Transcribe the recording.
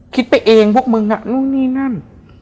คิดไปเองพวกมึงอ่ะนู่นนี่นั่น